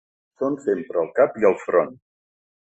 Són sempre al cap i al front.